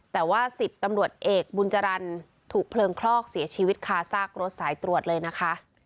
แต่ว่า๑๐ตำรวจเอกบุญจรรย์ถูกเพลิงคลอกเสียชีวิตคาซากรถสายตรวจเลยนะคะ